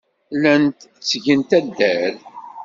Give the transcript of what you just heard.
Llant ttgent addal.